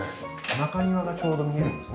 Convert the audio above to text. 中庭がちょうど見えるんですね。